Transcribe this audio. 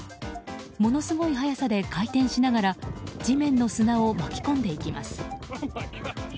ものすごい速さで回転しながら地面の砂を巻き込んでいきます。